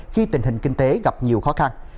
khi tình hình kinh tế gặp nhiều khó khăn